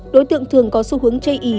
đối tượng thường có xu hướng chê ý